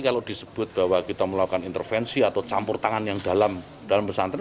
kalau disebut bahwa kita melakukan intervensi atau campur tangan yang dalam pesantren